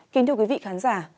kính thưa quý vị khán giả